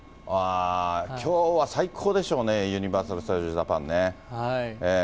きょうは最高でしょうね、ユニバーサル・スタジオ・ジャパンね。